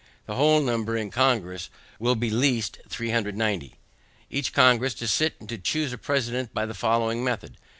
The whole number in Congress will be least 390. Each Congress to sit and to choose a president by the following method.